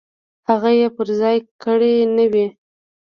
هغه یې پر ځای کړې نه وي.